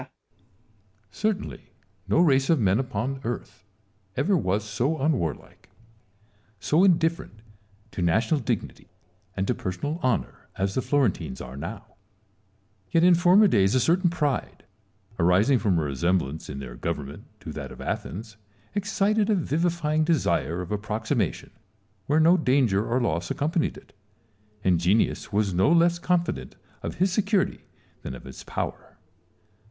Salomon. Certainly no race of men upon earth ever was so unwarlike, so indifferent to national dignity and to per sonal honour, as the Florentines are now : yet in former days a certain pride, arising from a resemblance in their government to that of Athens, excited a vivifying desire of approximation where no danger or loss accompanied it ; and Genius was no less confident of his security than of his power.